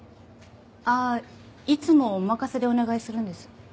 ああいつもお任せでお願いするんです。